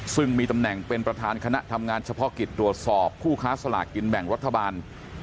ซึ่งมีตำแหน่งเป็นประธานคณะทำงานเฉพาะกิจตรวจสอบผู้ค้าสลากกินแบ่งรัฐบาล